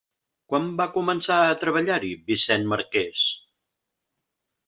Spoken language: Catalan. Quan va començar a treballar-hi Vicent Marqués?